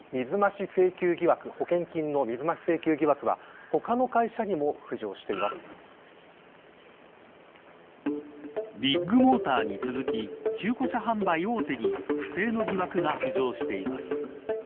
さらに、保険金の水増し請求疑惑はビッグモーターに続き中古車販売大手に不正の疑惑が浮上しています。